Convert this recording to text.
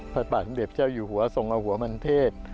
พระบาทสมเด็จเจ้าอยู่หัวทรงเอาหัวมันเทศ